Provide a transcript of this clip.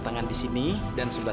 jadi ini alasan saya